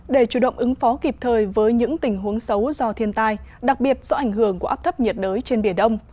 để chủ động ứng phó kịp thời với những tình huống xấu do thiên tai đặc biệt do ảnh hưởng của áp thấp nhiệt đới trên biển đông